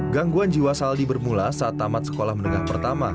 gangguan jiwa saldi bermula saat tamat sekolah menengah pertama